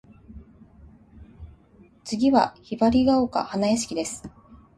次は雲雀丘花屋敷（ひばりがおかはなやしき）です。